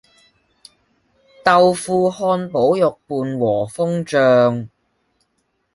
豆腐漢堡肉伴和風醬